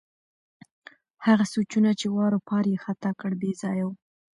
هغه سوچونه چې واروپار یې ختا کړ، بې ځایه وو.